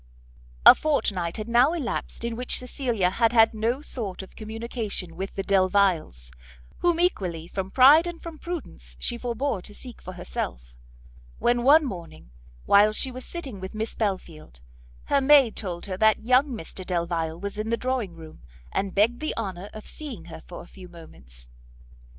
A fortnight had now elapsed in which Cecilia had had no sort of communication with the Delviles, whom equally from pride and from prudence she forbore to seek for herself, when one morning, while she was sitting with Miss Belfield, her maid told her that young Mr Delvile was in the drawing room, and begged the honour of seeing her for a few moments.